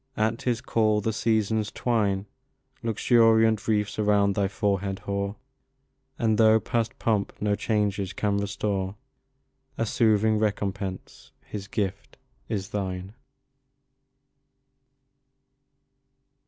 at his call the Seasons twine Luxuriant wreaths around thy forehead hoar; And, though past pomp no changes can restore, A soothing recompence, his gift, is thine!